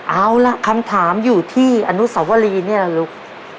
เอาล่ะคำถามอยู่ที่อนุสวรีนี่แหละลูก